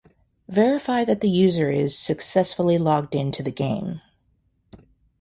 Verify that the user is successfully logged in to the game